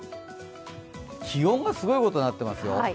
気温がすごいことになってますよ。